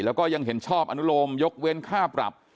แล้วก็ยังเห็นชอบอนุโลมยกเว้นค่าปรับ